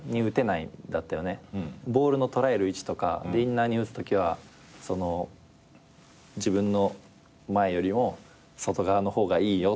ボールの捉える位置とかインナーに打つときは自分の前よりも外側の方がいいよとか言ったような気がします。